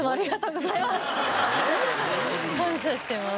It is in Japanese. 感謝してます。